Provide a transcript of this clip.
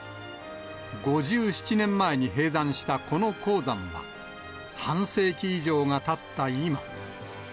５７年前に閉山したこの鉱山は、半世紀以上がたった今。